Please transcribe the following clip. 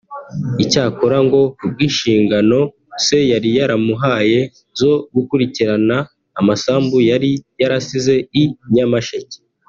Icyakora ngo ku bw’inshingano se yari yaramuhaye zo gukurikirana amasambu yari yarasize i Nyamasheke